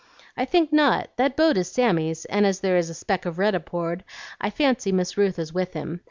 "I think not. That boat is Sammy's, and as there is a speck of red aboard, I fancy Miss Ruth is with him.